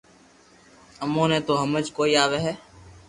امو ني تو ھمج ڪوئي آوي ھي